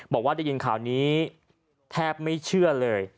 บอกว่าได้ยินข่าวนี้แทบไม่เชื่อเลย